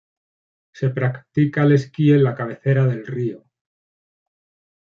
Se practica el esquí en la cabecera del río.